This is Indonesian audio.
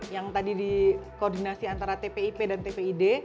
yang tadi dikoordinasi antara tpip dan tpid